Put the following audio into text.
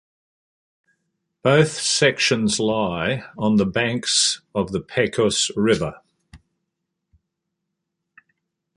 Both sections lie on the banks of the Pecos River.